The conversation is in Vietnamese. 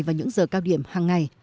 vào những giờ cao điểm hàng ngày